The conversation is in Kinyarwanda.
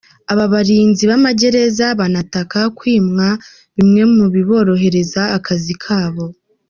Aba barinzi b’amagereza banataka kwimwa bimwe mu biborohereza akazi kabo.